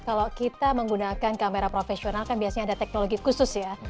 kalau kita menggunakan kamera profesional kan biasanya ada teknologi khusus ya